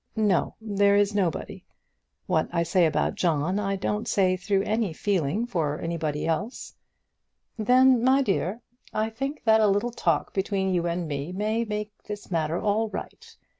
"No, there is nobody. What I say about John I don't say through any feeling for anybody else." "Then, my dear, I think that a little talk between you and me may make this matter all right.